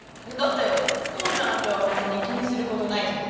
だってそうじゃなきゃ別に気にすることないじゃん。